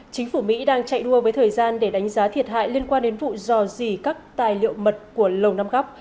chính phủ mỹ đang chạy đua với thời gian để đánh giá thiệt hại liên quan đến vụ dò dỉ các tài liệu mật của lầu năm góc